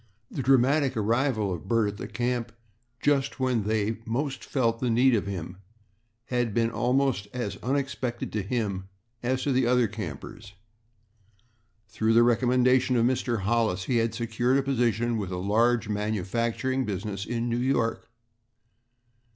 The dramatic arrival of Bert at the camp just when they most felt the need of him had been almost as unexpected to him as to the other campers. Through the recommendation of Mr. Hollis, he had secured a position with a large manufacturing business in New York.